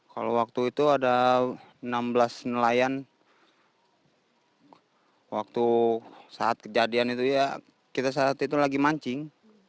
kalau waktu itu ada enam belas nelayan waktu saat kejadian itu ya kita saat itu lagi mancing